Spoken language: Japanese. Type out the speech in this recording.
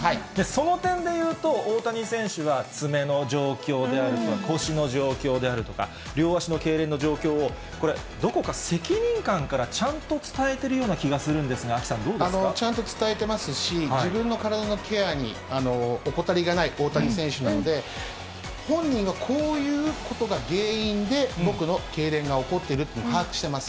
その点でいうと、大谷選手は爪の状況であるとか、腰の状況であるとか、両足のけいれんの状況を、どこか責任感からちゃんと伝えているような気がするんですが、アキさん、ちゃんと伝えてますし、自分の体のケアに怠りがない大谷選手なので、本人はこういうことが原因で、僕のけいれんが起こっているというのを把握してます。